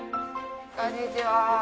こんにちは。